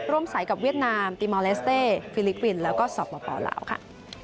ร่วมสายกับเวียดนามติมอเลสเตฟิลิกวินแล้วก็สอบปลาวค่ะ